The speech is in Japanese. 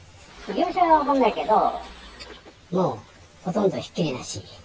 業者は分かんないけど、もうほとんどひっきりなしに。